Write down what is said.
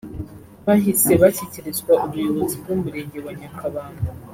bahise bashyikirizwa ubuyobozi bw’Umurenge wa Nyakabanda